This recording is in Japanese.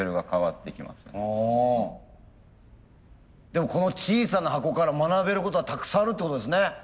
でもこの小さな箱から学べることがたくさんあるってことですね。